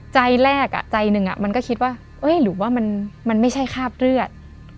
ใจแรกใจหนึ่งมันก็คิดว่าหรือว่ามันไม่ใช่คราบเลือด